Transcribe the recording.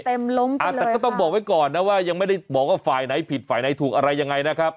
แต่ก็ต้องบอกไว้ก่อนนะว่ายังไม่ได้บอกว่าฝ่ายไหนผิดฝ่ายไหนถูกอะไรยังไงนะครับ